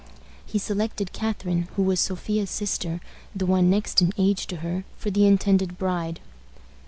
He selected Catharine, who was Sophia's sister the one next in age to her for the intended bride.